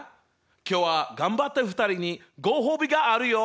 今日は頑張った２人にご褒美があるよ。